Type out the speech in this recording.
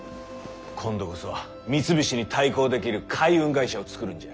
今度こそ三菱に対抗できる海運会社を作るんじゃ。